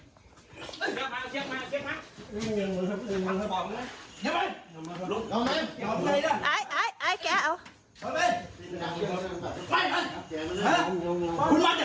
คุณวองจากไหนนะ